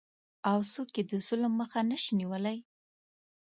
او څوک یې د ظلم مخه نشي نیولی؟